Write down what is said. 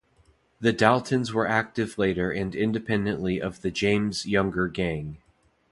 The Daltons were active later and independently of the James-Younger Gang.